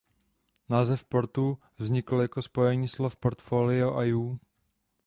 Název Portu vznikl jako spojení slov portfolio a you.